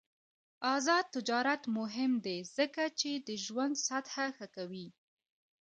آزاد تجارت مهم دی ځکه چې ژوند سطح ښه کوي.